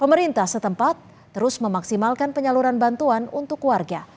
pemerintah setempat terus memaksimalkan penyaluran bantuan untuk warga